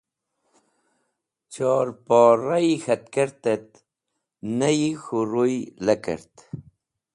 Chahorporayi k̃hat kert et neyi k̃hũ ruy lekert.